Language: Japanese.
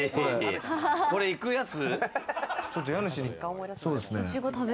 これいくやつ？